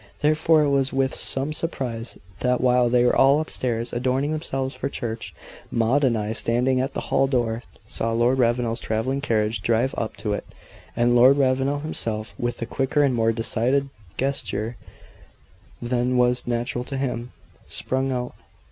Therefore it was with some surprise that while they were all up stairs adorning themselves for church, Maud and I, standing at the hall door, saw Lord Ravenel's travelling carriage drive up to it, and Lord Ravenel himself, with a quicker and more decided gesture than was natural to him, spring out.